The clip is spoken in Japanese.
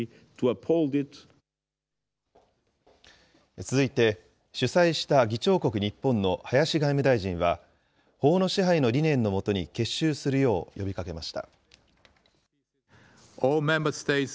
続いて、主催した議長国、日本の林外務大臣は、法の支配の理念の下に結集するよう呼びかけました。